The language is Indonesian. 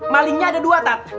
malingnya ada dua tat